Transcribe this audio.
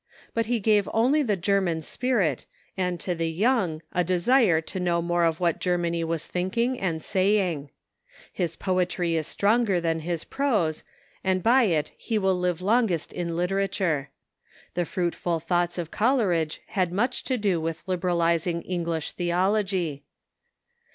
But he gave only the German spirit, and to the young a desire to know more of what Ger many was thinking and saying. His poetry is stronger than his prose, and by it he will live longest in literature. The fruitful thoughts of Coleridge had much to do with liberaliz ing English theology.